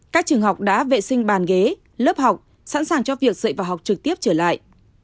các trường học đã vệ sinh bàn ghế lớp học sẵn sàng cho việc dạy và học trực tiếp trở lại